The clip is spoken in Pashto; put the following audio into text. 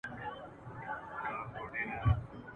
پوه انسان سمې پرېکړې کوي.